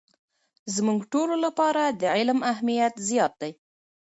زموږ ټولو لپاره د علم اهمیت زیات دی.